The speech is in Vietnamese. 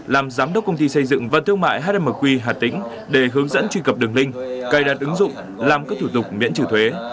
làm giám đốc công ty xây dựng và thương mại hnq hà tĩnh để hướng dẫn truy cập đường link cài đặt ứng dụng làm các thủ tục miễn trừ thuế